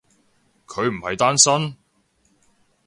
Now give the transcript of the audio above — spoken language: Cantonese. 佢唔係單身？